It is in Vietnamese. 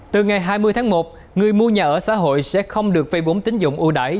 từ ngày hai mươi tháng một người mua nhà ở xã hội sẽ không được phê bốn tính dụng ưu đải